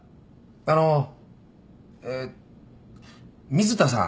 あのえ水田さん。